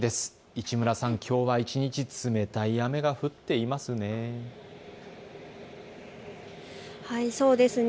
市村さん、きょうは一日冷たい雨が降っていますね。